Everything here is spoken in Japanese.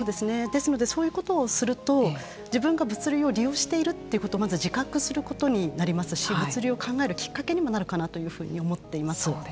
ですので、そういうことをすると自分が物流を利用しているということをまず自覚することになりますし物流を考えるきっかけにもなるかなと思っています。